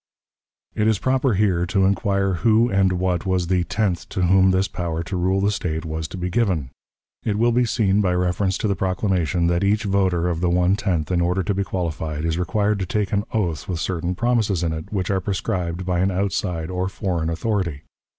'" It is proper here to inquire who and what was the tenth to whom this power to rule the State was to be given. It will be seen, by reference to the proclamation, that each voter of the one tenth, in order to be qualified, is required to take an oath with certain promises in it, which are prescribed by an outside or foreign authority.